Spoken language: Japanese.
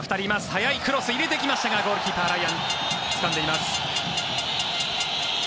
速いクロスを入れてきましたがゴールキーパー、ライアンつかんでいます。